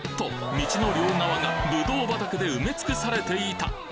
道の両側がぶどう畑で埋め尽くされていた！